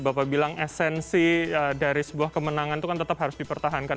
bapak bilang esensi dari sebuah kemenangan itu kan tetap harus dipertahankan